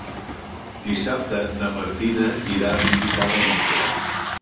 Dissabte na Martina irà a visitar mon oncle.